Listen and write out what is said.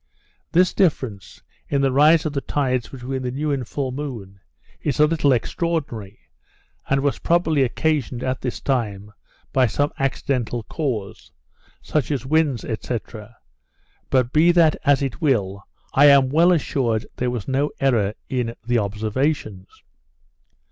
This difference, in the rise of the tides between the new and full moon, is a little extraordinary, and was probably occasioned at this time by some accidental cause, such as winds, &c., but, be it as it will, I am well assured there was no error in the observations.